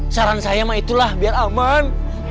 saran saya sama itulah biar aman